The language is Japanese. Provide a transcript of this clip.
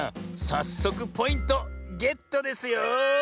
さっそくポイントゲットですよ。